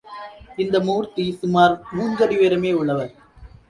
இந்த மூர்த்தி சுமார் மூன்றடி உயரமே உள்ளவர்.